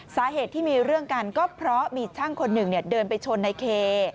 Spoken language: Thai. สาเหตุที่มีเรื่องกันก็เพราะมีช่างคนหนึ่งเดินไปชนในเค